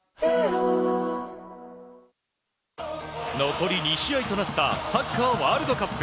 残り２試合となったサッカーワールドカップ。